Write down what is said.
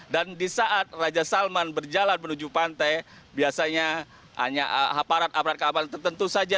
dan di saat raja salman berjalan menuju pantai biasanya hanya aparat aparat keamanan tertentu saja